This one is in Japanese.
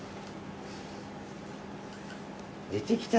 「出てきた！